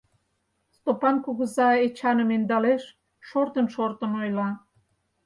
Стопан кугыза Эчаным ӧндалеш, шортын-шортын ойла.